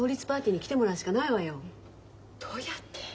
どうやって？